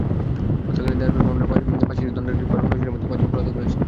হত্যাকাণ্ডে দায়ের করা মামলায় ফাঁসির দণ্ডাদেশ পাওয়া নয়জনের মধ্যে পাঁচজন পলাতক রয়েছেন।